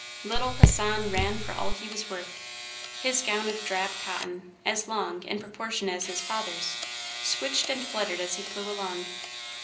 Little Hassan ran for all he was worth. His gown of drab cotton, as long, in proportion, as his father's, switched and fluttered as he flew along.